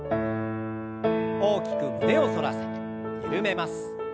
大きく胸を反らせてゆるめます。